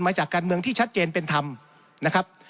จากการเมืองที่ชัดเจนเป็นธรรมนะครับ